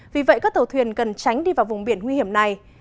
vì vậy các tàu thuyền cần tránh đi vào vùng biển nguy hiểm này